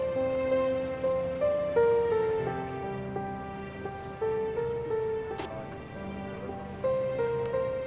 dulu kita sudah datang bus finals